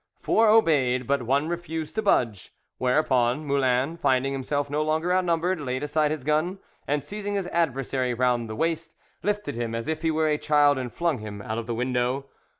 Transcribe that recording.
Four obeyed, but one refused to budge; whereupon Moulin, finding himself no longer outnumbered, laid aside his gun, and, seizing his adversary round the waist, lifted him as if he were a child and flung him out of the window.